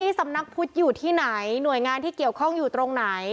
สำนักพุทธอยู่ที่ไหนหน่วยงานที่เกี่ยวข้องอยู่ตรงไหน